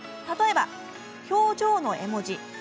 例えば、表情の絵文字。